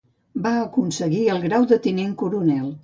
Va aconseguir el grau de Tinent Coronel.